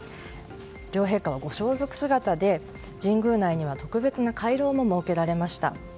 両陛下はご装束姿で神宮内には特別な回廊も設けられました。